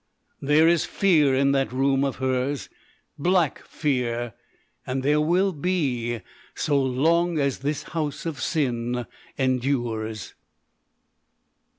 There is Fear in that room of hers black Fear, and there will be so long as this house of sin endures."